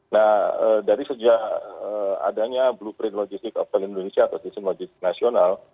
nah dari sejak adanya blueprint logistik apel indonesia atau sistem logistik nasional